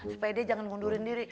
supaya dia jangan ngundurin diri